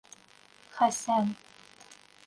Хәсән...